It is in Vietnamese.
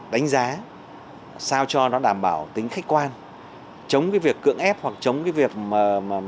đánh giá sao cho nó đảm bảo tính khách quan chống cái việc cưỡng ép hoặc chống cái việc mà